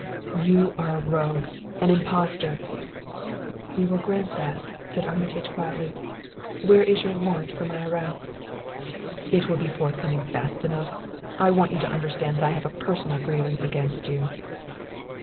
"You are a rogue, an impostor " "We will grant that," said Armitage quietly. "Where is your warrant for my arrest?" "That will be forthcoming fast enough! I want you to understand that I have a personal grievance against you."